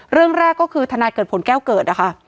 เรื่องแรกก็คือทนายเกิดผลแก้วเกิดนะคะ